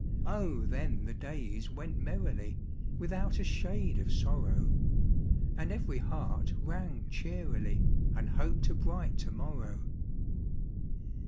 O then the days went merrily, Without a shade of sorrow ; â¢ And every heart rang cheerily, And hoped a bright to morrow.